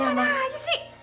gua kesana aja sih